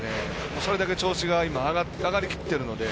それだけ調子が上がりきってるので。